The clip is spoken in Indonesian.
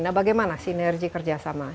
nah bagaimana sinergi kerjasama